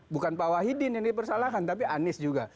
bukan pak wahidin yang dipersalahkan tapi anies juga